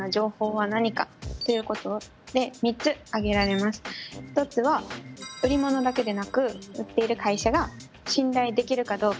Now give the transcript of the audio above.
まずは一つは売り物だけでなく売っている会社が信頼できるかどうか。